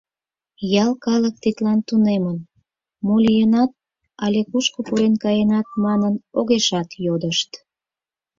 Ял калык тидлан тунемын, мо лийынат але кушко пурен каенат манын огешат йодышт.